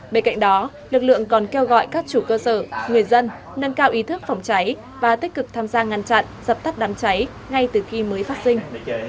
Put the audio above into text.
bên cạnh đó lực lượng còn kêu gọi các chủ cơ sở người dân nâng cao ý thức phòng cháy và tích cực tham gia ngăn chặn dập tắt đám cháy ngay từ khi mới phát sinh